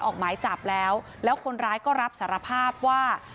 ออกหมายจับแล้วแล้วคนร้ายก็รับสารภาพว่า